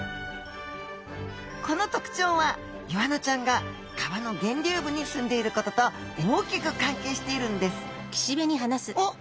この特徴はイワナちゃんが川の源流部にすんでいることと大きく関係しているんですおっ